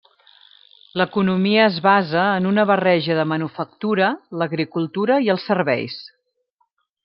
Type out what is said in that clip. L'economia es basa en una barreja de manufactura, l'agricultura i els serveis.